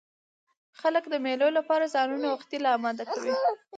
خلک د مېلو له پاره ځانونه وختي لا اماده کوي.